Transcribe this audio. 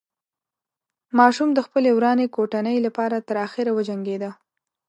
ماشوم د خپلې ورانې کوټنۍ له پاره تر اخره وجنګېده.